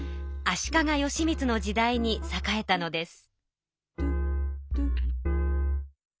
足利義満の時代に栄えたのです。